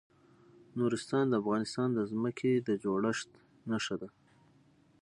نورستان د افغانستان د ځمکې د جوړښت نښه ده.